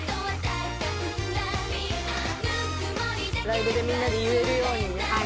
ライブでみんなで言えるようにね。